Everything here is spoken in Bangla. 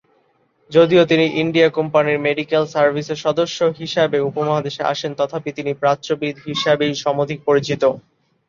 যদিও তিনি ইন্ডিয়া কোম্পানির মেডিক্যাল সার্ভিসের সদস্য হিসাবে উপমহাদেশে আসেন, তথাপি তিনি প্রাচ্যবিদ হিসাবেই সমধিক পরিচিত।